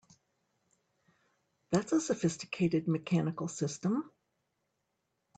That's a sophisticated mechanical system!